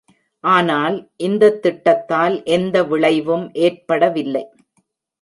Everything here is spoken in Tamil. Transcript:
ஆனால், இந்த திட்டத்தால் எந்த விளைவும் ஏற்படவில்லை.